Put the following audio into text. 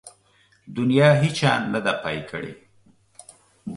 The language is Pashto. د نيا هيچا نده پاى کړې.